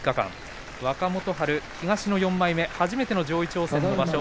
若元春、東の４枚目で初めての上位挑戦の場所。